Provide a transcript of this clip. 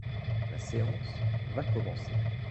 La séance va commencer.